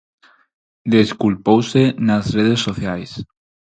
Desculpouse nas redes sociais.